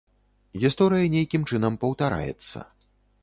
Гісторыя нейкім чынам паўтараецца.